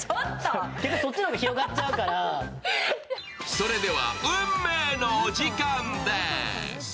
それでは運命のお時間です。